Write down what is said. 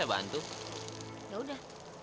apaan tuh isinya